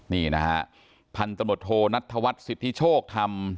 นี่นะฮะพันธุ์ตำรวจโทษนัดถวัตรสิทธิโชคทำ